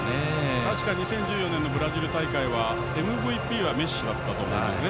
確か２０１４年のブラジル大会はＭＶＰはメッシだったと思うんですね。